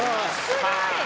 すごい！